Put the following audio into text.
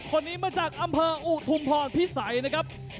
คนนี้มาจากอำเภออุทุมพรพิสัยนะครับ